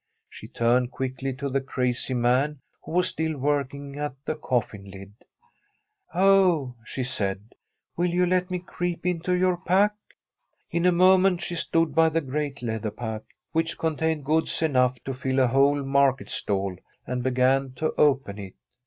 She turned quickly to the crazy man, who was still working at the coffin lid. * Oh,' she said, ' will you let me creep into your pack?' In a moment she stood by the great leather pack, which contained goods enough to fill a whole market stall, and began to open it.